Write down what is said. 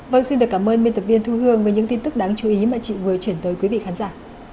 vâng xin được cảm ơn biên tập viên thu hương với những tin tức đáng chú ý mà chị vừa chuyển tới quý vị khán giả